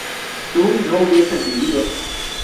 ¿tú no hubieses vivido?